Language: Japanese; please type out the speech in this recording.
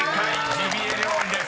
「ジビエ料理」です］